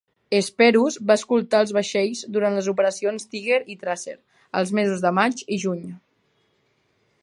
"Hesperus" va escoltar els vaixells durant les operacions Tiger i Tracer als mesos de maig i juny.